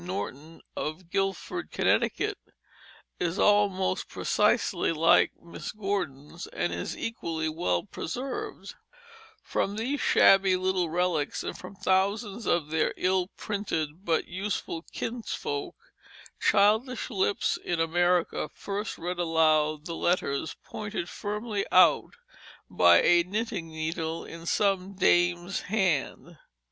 Norton of Guildford, Connecticut, is almost precisely like Miss Gordon's, and is equally well preserved. [Illustration: Hornbook owned by Miss Gordon] From these shabby little relics and from thousands of their ill printed, but useful kinsfolk, childish lips in America first read aloud the letters, pointed firmly out by a knitting needle in some dame's hand.